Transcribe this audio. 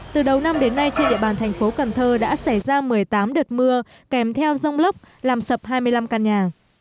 từ đầu năm đến nay trên địa bàn thành phố cần thơ đã xảy ra một mươi tám đợt mưa kèm theo rông lốc làm sập hai mươi năm căn nhà